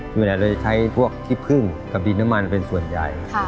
เวลาเราจะใช้พวกขี้พึ่งกับดินน้ำมันเป็นส่วนใหญ่